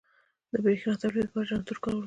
د برېښنا تولید لپاره جنراتور کارول کېږي.